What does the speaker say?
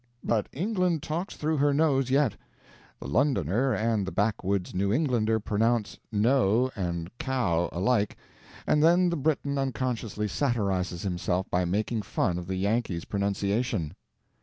But England talks through her nose yet; the Londoner and the backwoods New Englander pronounce 'know' and 'cow' alike, and then the Briton unconsciously satirizes himself by making fun of the Yankee's pronunciation."